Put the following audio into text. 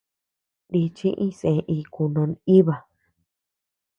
Nichi iñsé iku no nʼiba.